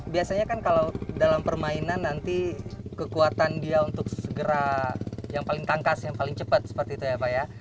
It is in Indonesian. biasanya kan kalau dalam permainan nanti kekuatan dia untuk segera yang paling tangkas yang paling cepat seperti itu ya pak ya